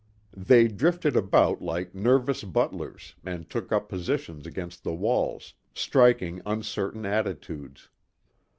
They drifted about like nervous butlers and took up positions against the walls, striking uncertain attitudes.